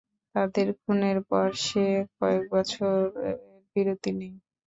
তাদের খুনের পর সে কয়েক বছরের বিরতি নেই।